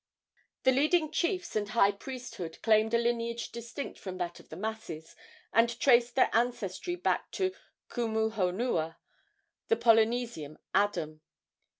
The leading chiefs and high priesthood claimed a lineage distinct from that of the masses, and traced their ancestry back to Kumuhonua, the Polynesian Adam.